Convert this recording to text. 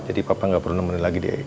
jadi papa gak perlu nemenin lagi di icu